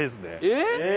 えっ！